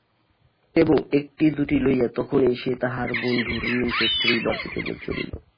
এবং ফুল দুটি লইয়া তখনই সে তাহার বন্ধুঋণ শোধ করিবার জন্য চলিল।